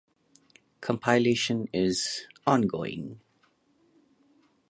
Compilation is ongoing.